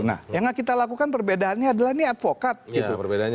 nah yang kita lakukan perbedaannya adalah ini avokat gitu